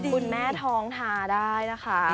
คุณแม่ท้องทาได้นะคะ